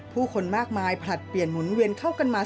ผู้คนมากมายผลัดเปลี่ยนหมุนเวียนเข้ากันมา